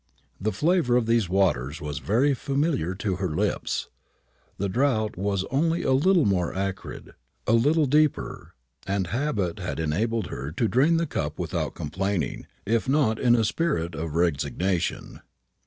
The flavour of these waters was very familiar to her lips. The draught was only a little more acrid, a little deeper, and habit had enabled her to drain the cup without complaining, if not in a spirit of resignation.